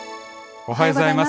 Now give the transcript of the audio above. おはようございます。